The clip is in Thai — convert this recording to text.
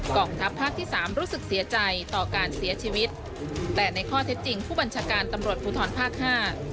ทัพภาคที่สามรู้สึกเสียใจต่อการเสียชีวิตแต่ในข้อเท็จจริงผู้บัญชาการตำรวจภูทรภาคห้า